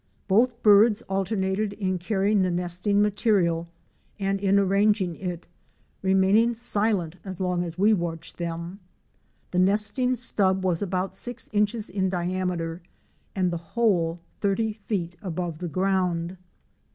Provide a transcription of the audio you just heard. Both birds alternated in carrying the nesting material and in arranging it, remaining silent as long as we watched them. The nesting stub was about six inches in diameter and the hole thirty feet above the ground.